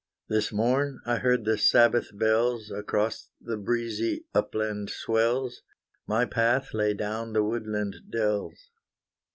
This morn I heard the Sabbath bells Across the breezy upland swells; My path lay down the woodland dells.